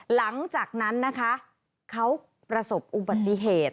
หลังจากนั้นนะคะเขาประสบอุบัติเหตุ